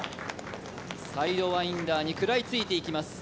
サイドワインダーに食らいついていきます。